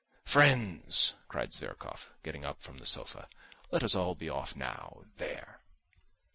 "Friends," cried Zverkov getting up from the sofa, "let us all be off now, _there!